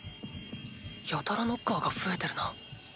やたらノッカーが増えてるな。